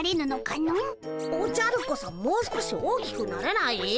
おじゃるこそもう少し大きくなれない？